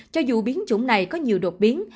cho dù biến chủng này có nhiều đột biến